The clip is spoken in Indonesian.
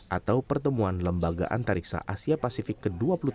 atau pertemuan lembaga antariksa asia pasifik ke dua puluh tiga